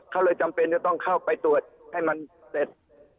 เขาเลยจำเป็นจะต้องเข้าไปตรวจให้มันเสร็จ